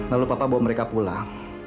lalu papa bawa mereka pulang